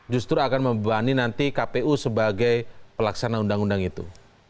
justru akan membebani nanti kpu sebagai pelaksana undang undang itu